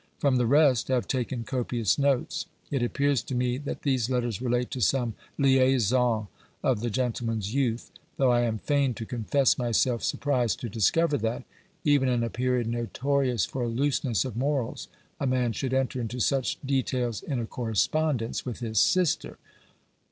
From the rest I have taken copious notes. It appears to me that these letters relate to some liaison of the gentleman's youth; though I am fain to confess myself surprised to discover that, even in a period notorious for looseness of morals, a man should enter into such details in a correspondence with his sister.